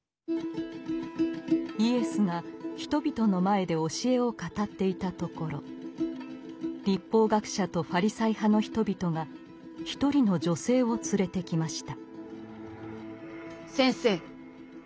イエスが人々の前で教えを語っていたところ律法学者とファリサイ派の人々が一人の女性を連れてきました。